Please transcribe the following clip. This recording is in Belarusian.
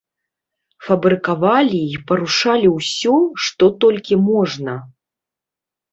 Фабрыкавалі і парушалі ўсё, што толькі можна.